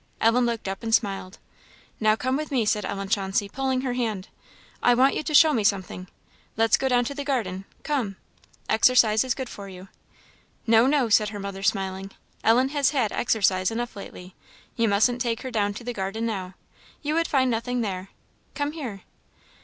Ellen looked up and smiled. "Now come with me," said Ellen Chauncey, pulling her hand "I want you to show me something; let's go down to the garden come, exercise is good for you." "No, no," said her mother smiling "Ellen has had exercise enough lately; you mustn't take her down to the garden now; you would find nothing there. Come here!"